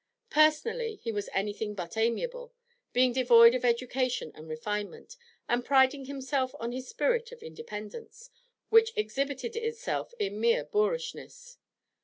Personally, he was anything but amiable, being devoid of education and refinement, and priding himself on his spirit of independence, which exhibited itself in mere boorishness.